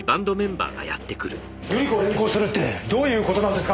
瑠里子を連行するってどういう事なんですか！